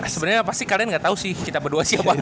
sebenernya pasti kalian gak tau sih kita berdua siapa